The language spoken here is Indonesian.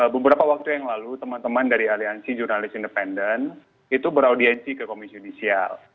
beberapa waktu yang lalu teman teman dari aliansi jurnalis independen itu beraudiensi ke komisi judisial